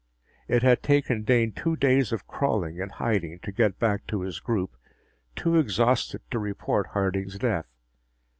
It had taken Dane two days of crawling and hiding to get back to his group, too exhausted to report Harding's death.